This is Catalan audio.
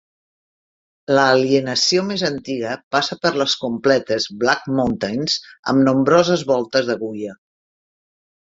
La alienació més antiga passa per les completes Black Mountains amb nombroses voltes d'agulla.